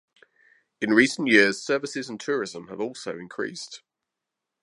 In recent years services and tourism have also increased.